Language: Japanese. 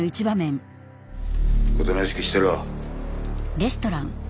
おとなしくしてろ。